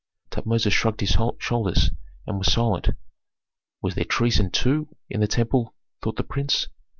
Tutmosis shrugged his shoulders, and was silent. "Was there treason, too, in the temple?" thought the prince.